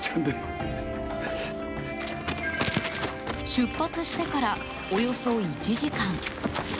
出発してからおよそ１時間。